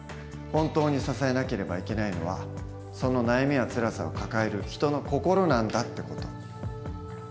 本当に支えなければいけないのはその悩みやつらさを抱える人の心なんだ」って事。